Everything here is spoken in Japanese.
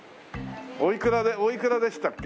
おいくらでおいくらでしたっけ？